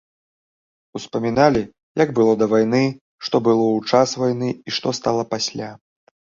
Успаміналі, як было да вайны, што было ў час вайны і што стала пасля.